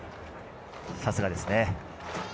さすがですね。